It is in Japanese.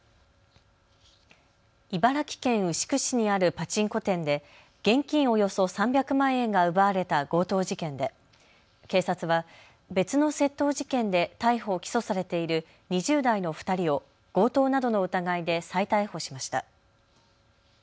茨城県牛久市にあるパチンコ店で現金およそ３００万円が奪われた強盗事件で警察は別の窃盗事件で逮捕・起訴されている２０代の２人を強盗などの疑いで再逮捕しました。